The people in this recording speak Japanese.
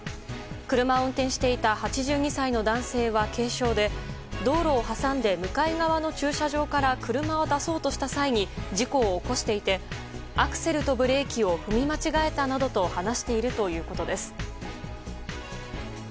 車を運転していた８２歳の男性は軽傷で道路を挟んで向かい側の駐車場から車を出そうとした際に事故を起こしていてアクセルとブレーキを踏み間違えたなどと話しているということです。